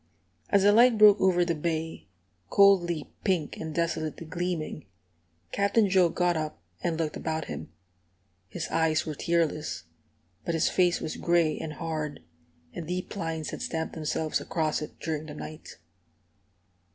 As the light broke over the bay, coldly pink and desolately gleaming, Captain Joe got up and looked about him. His eyes were tearless, but his face was gray and hard, and deep lines had stamped themselves across it during the night.